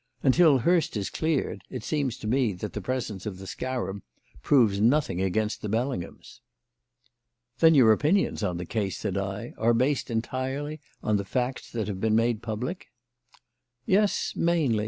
Until Hurst is cleared, it seems to me that the presence of the scarab proves nothing against the Bellinghams." "Then your opinions on the case," said I, "are based entirely on the facts that have been made public." "Yes, mainly.